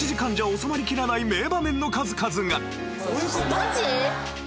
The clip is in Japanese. マジ？